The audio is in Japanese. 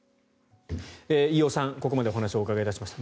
飯尾さんにここまでお話を伺いました。